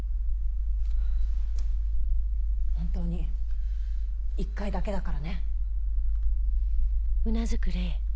本当に一回だけだからね。